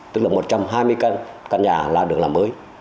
tức là một trăm hai mươi căn nhà là được làm mới